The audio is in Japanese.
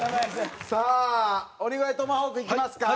さあ鬼越トマホークいきますか。